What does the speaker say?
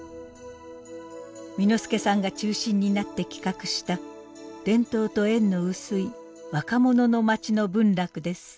簑助さんが中心になって企画した伝統と縁の薄い若者の街の文楽です。